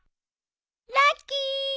ラッキー！